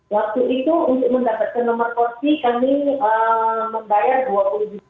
waktu itu untuk mendapatkan nomor porsi kami membayar dua puluh juta lima ratus